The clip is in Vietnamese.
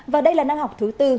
và đây là năm học thứ bốn